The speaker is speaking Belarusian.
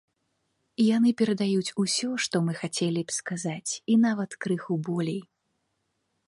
Яны перадаюць усё, што мы хацелі б сказаць, і нават крыху болей.